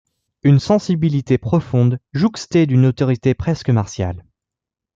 Une sensibilité profonde, jouxtée d‘une autorité presque martiale.